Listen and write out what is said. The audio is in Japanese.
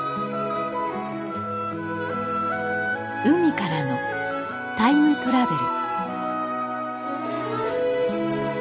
海からのタイムトラベル。